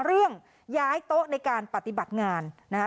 เรื่องย้ายโต๊ะในการปฏิบัติงานนะคะ